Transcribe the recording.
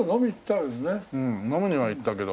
うん飲みには行ったけど。